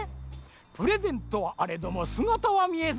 プレゼントはあれどもすがたはみえず。